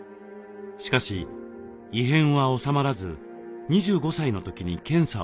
しかし異変は収まらず２５歳の時に検査を受けます。